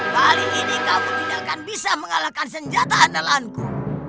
kali ini kamu tidak akan bisa mengalahkan senjata andalanku